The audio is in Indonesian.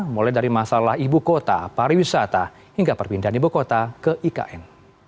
mulai dari masalah ibu kota pariwisata hingga perpindahan ibu kota ke ikn